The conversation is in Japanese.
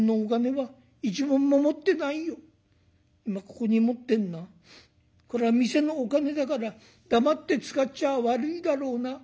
今ここに持ってんのはこれは店のお金だから黙って使っちゃ悪いだろうな。